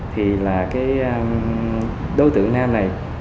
thì là cái đối tượng nam này